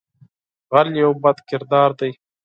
غل یو بد کردار دی